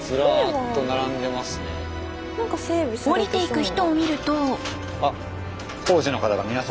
降りていく人を見ると。